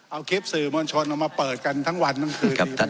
เอาคลิปสื่อมวลชนเอามาเปิดกันทั้งวันทั้งคืน